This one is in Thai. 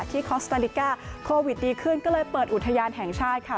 คอสตาลิก้าโควิดดีขึ้นก็เลยเปิดอุทยานแห่งชาติค่ะ